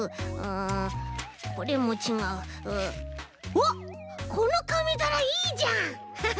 あっこのかみざらいいじゃん！ハハハ。